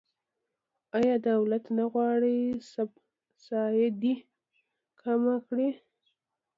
آیا دولت نه غواړي سبسایډي کمه کړي؟